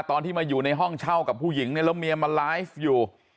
ตอนที่มาอยู่ในห้องเช่ากับผู้หญิงเนี่ยแล้วเมียมาไลฟ์อยู่